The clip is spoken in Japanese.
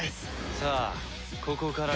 さあここからが。